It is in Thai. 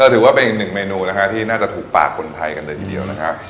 ถือว่าเป็นอีกหนึ่งเมนูนะฮะที่น่าจะถูกปากคนไทยกันเลยทีเดียวนะครับ